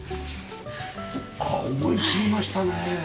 あっ思い切りましたね。